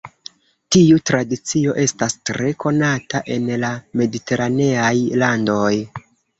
Tiu tradicio estas tre konata en la mediteraneaj landoj.